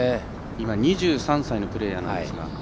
今、２３歳のプレーヤーなんですが。